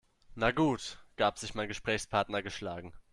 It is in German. Na gut, gab sich mein Gesprächspartner geschlagen.